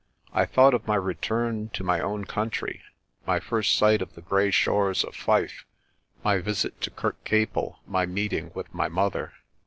I thought of my return to my own coun try, my first sight of the grey shores of Fife, my visit to Kirkcaple, my meeting with my mother.